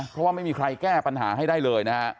เพราะว่าไม่มีใครแก้ปัญหาให้ได้เลยนะฮะ